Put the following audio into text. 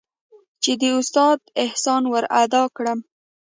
چې د استاد احسان ورادا کړم.